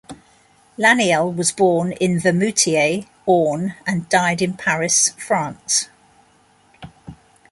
Laniel was born in Vimoutiers, Orne, and died in Paris, France.